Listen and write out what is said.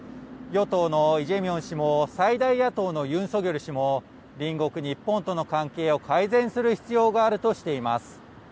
与党のイ・ジェミョン氏も、最大野党のユン・ソギョル氏も隣国、日本との関係を改善する必要があるとしています。